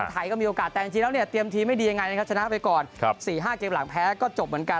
ไทยก็มีโอกาสแต่จริงแล้วเนี่ยเตรียมทีมให้ดียังไงนะครับชนะไปก่อน๔๕เกมหลังแพ้ก็จบเหมือนกัน